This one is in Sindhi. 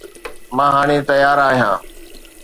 مان هاڻي تيار آهيان